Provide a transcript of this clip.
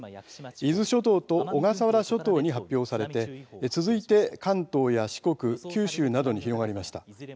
伊豆諸島と小笠原諸島に発表されて続いて関東や四国、九州などに広がりました。